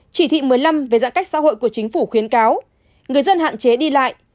chỉ thị một mươi năm về giãn cách xã hội của chính phủ khuyến cáo người dân hạn chế đi lại